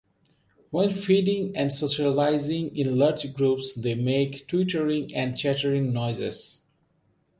When feeding and socializing in large groups they make twittering and chattering noises.